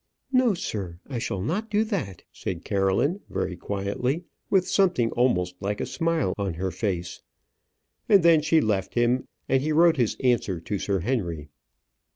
"No, sir! I shall not do that," said Caroline, very quietly, with something almost like a smile on her face. And then she left him, and he wrote his answer to Sir Henry.